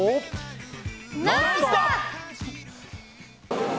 「ノンストップ！」。